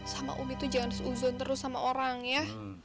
sama umi tuh jangan seuzon terus sama orang ya